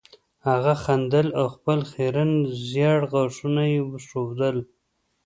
هغه خندل او خپل خیرن زیړ غاښونه یې ښودل